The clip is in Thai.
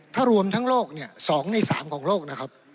ถ้ารวมทั้งโลก๒ใน๓โลกนะครับ